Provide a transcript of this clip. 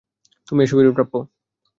তুমি এসবেরই প্রাপ্য!